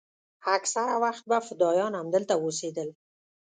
اکثره وخت به فدايان همدلته اوسېدل.